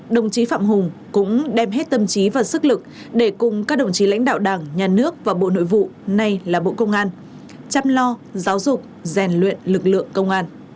đồng chí phạm hùng cũng đem hết tâm trí và sức lực để cùng các đồng chí lãnh đạo đảng nhà nước và bộ nội vụ nay là bộ công an chăm lo giáo dục rèn luyện lực lượng công an